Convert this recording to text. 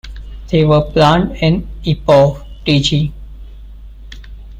They were planned in Ipoh, Tg.